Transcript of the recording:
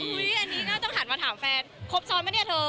อุ๊ยอันนี้ก็ต้องถามมาถามแฟนกลบซ้อนมั้ยเนี่ยเธอ